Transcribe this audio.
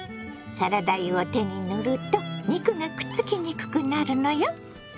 サラダ油を手に塗ると肉がくっつきにくくなるのよ。